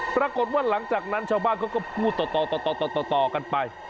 ปรากฏว่าหลังจากนั้นชาวบ้านเขาก็พูดต่อกันไป